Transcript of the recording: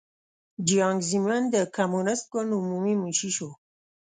جیانګ زیمن د کمونېست ګوند عمومي منشي شو.